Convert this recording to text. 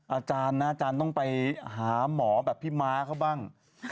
อาจารย์นะอาจารย์ต้องไปหาหมอแบบพี่ม้าเขาบ้าง